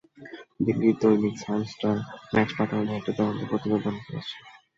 দিল্লির দৈনিক Sun Star match পাতানো নিয়ে একটি তদন্ত প্রতিবেদন করেছে।